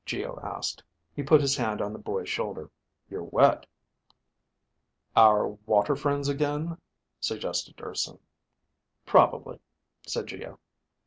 Geo asked. He put his hand on the boy's shoulder. "You're wet." "Our water friends again?" suggested Urson. "Probably," said Geo.